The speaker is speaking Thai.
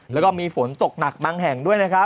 แล้วก็มีฝนตกหนักบางแห่งด้วยนะครับ